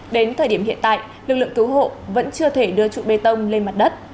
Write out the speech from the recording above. đến thời điểm hiện tại lực lượng cứu hộ vẫn chưa thể đưa trụ bê tông lên mặt đất